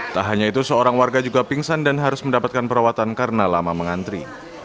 tak hanya itu seorang warga juga pingsan dan harus mendapatkan perawatan karena lama mengantri